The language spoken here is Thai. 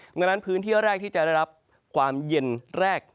ดังนั้นพื้นที่แรกที่จะได้รับความเย็นแรก